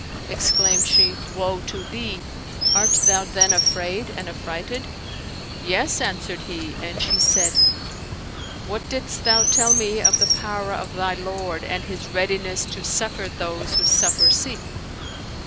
Exclaimed she, "Woe to thee! art thou then afraid and affrighted?" "Yes," answered he; and she said, "What didst thou tell me of the power of thy Lord and His readiness to succour those who succour seek?